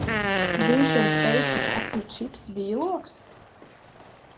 Viņš jums teica, ka es esmu Čips Vīloks?